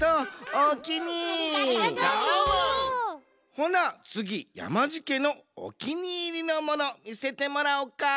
ほなつぎやまじけのおきにいりのものみせてもらおか？